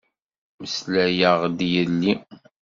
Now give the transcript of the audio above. Meslayeɣ d yelli.